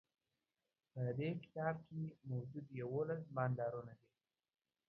په دې کتاب کی موجود یوولس بانډارونه دي